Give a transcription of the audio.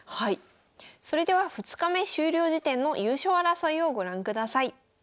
それでは２日目終了時点の優勝争いをご覧ください。